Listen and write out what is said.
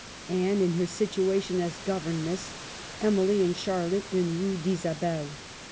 Anne in her situation as governess. Emily and Charlotte in Rue d'Isabelle.